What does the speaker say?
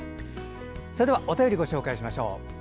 それではお便りご紹介しましょう。